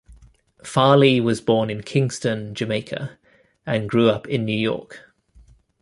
Farley was born in Kingston, Jamaica, and grew up in New York.